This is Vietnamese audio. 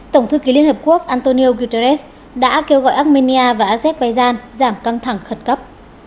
tổng thư ký liên hợp quốc antonio guterres đã kêu gọi armenia và azerbaijan giảm căng thẳng khẩn cấp